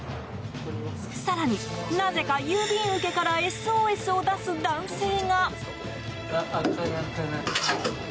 更に、なぜか郵便受けからＳＯＳを出す男性が。